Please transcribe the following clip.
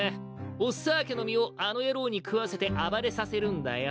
オ・サーケの実をあの野郎に食わせて暴れさせるんだよ